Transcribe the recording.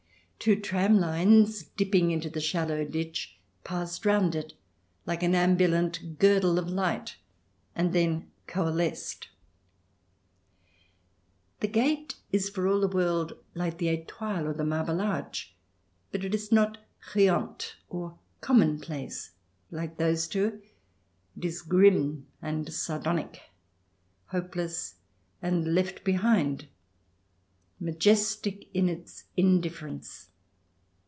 Two tram lines, dipping into the shallow ditch, passed round it, like an ambulant girdle of light, and then coalesced. CH. xx] TRIER 273 The gate is for all the world like the fitoile, or the Marble Arch. But it is not rtante, or commonplace like those two; it is grim and sardonic, hopeless and left behind, majestic in its indifference.